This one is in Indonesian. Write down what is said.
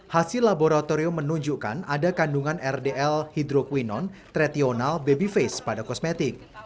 hasil laboratorium menunjukkan ada kandungan rdl hidroquinon tretional babyface pada kosmetik